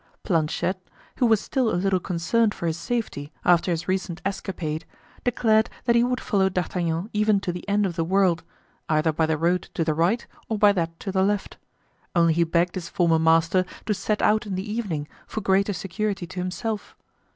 Planchet, who was still a little concerned for his safety after his recent escapade, declared that he would follow D'Artagnan even to the end of the world, either by the road to the right or by that to the left; only he begged his former master to set out in the evening, for greater security to himself.